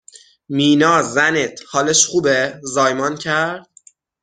مینا زنت، حالش خوبه؟ زایمان کرد؟